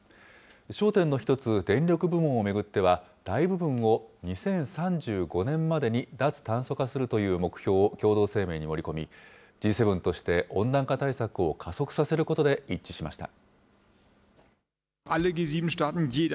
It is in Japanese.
焦点の一つ、電力部門を巡っては大部分を２０３５年までに脱炭素化するという目標を共同声明に盛り込み、Ｇ７として温暖化対策を加速させることで一致しました。